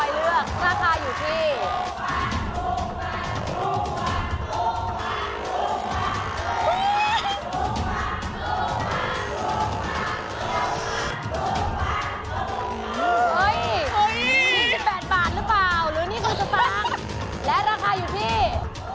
แล้วราคาจะพบไก่ที่คุณแอร์ร็าคุณปลอยเลือก